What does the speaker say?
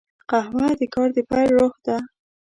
قهوه د کار د پیل روح ده